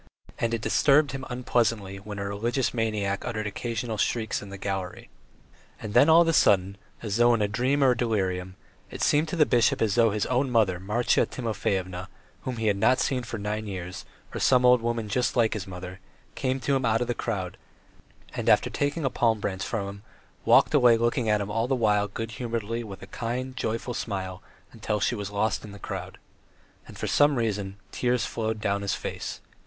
And it disturbed him unpleasantly when a religious maniac uttered occasional shrieks in the gallery. And then all of a sudden, as though in a dream or delirium, it seemed to the bishop as though his own mother Marya Timofyevna, whom he had not seen for nine years, or some old woman just like his mother, came up to him out of the crowd, and, after taking a palm branch from him, walked away looking at him all the while good humouredly with a kind, joyful smile until she was lost in the crowd. And for some reason tears flowed down his face.